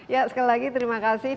ya sekali lagi terima kasih